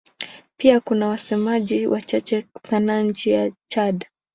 Pia kuna wasemaji wachache sana nchini Chad.